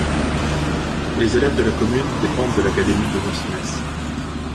Les élèves de la commune dépendent de l'académie de Nancy-Metz.